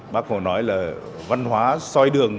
bác hồ nói là văn hóa soi đường